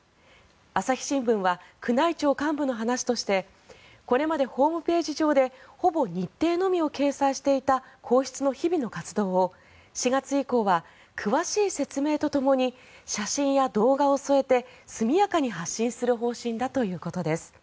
朝日新聞は宮内庁幹部の話としてこれまでホームページ上でほぼ日程のみを掲載していた皇室の日々の活動を４月以降は詳しい説明とともに写真や動画を添えて速やかに発信する方針だということです。